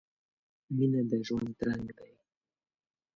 • مینه د ژوند رنګ دی.